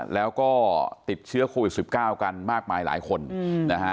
แล้วก็ติดเชื้อโควิด๑๙กันมากมายหลายคนนะฮะ